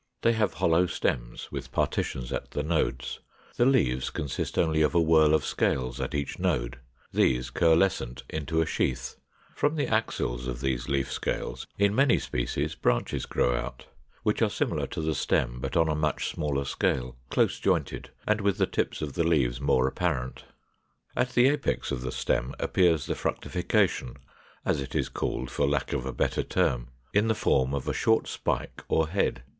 They have hollow stems, with partitions at the nodes; the leaves consist only of a whorl of scales at each node, these coalescent into a sheath: from the axils of these leaf scales, in many species, branches grow out, which are similar to the stem but on a much smaller scale, close jointed, and with the tips of the leaves more apparent. At the apex of the stem appears the fructification, as it is called for lack of a better term, in the form of a short spike or head.